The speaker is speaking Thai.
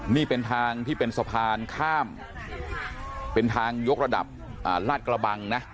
นี่เป็นทางที่เป็นสะพานข้ามเป็นทางยกระดับลาดกระบังนะ